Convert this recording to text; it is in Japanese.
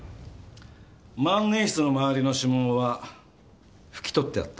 万年筆の周りの指紋は拭き取ってあった。